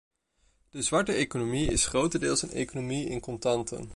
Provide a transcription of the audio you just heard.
De zwarte economie is grotendeels een economie in contanten.